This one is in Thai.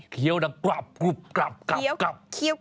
เกี้ยวดังกรับกรุบกรับกรับกรับ